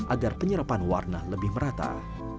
agar penyerapan batik bisa diperoleh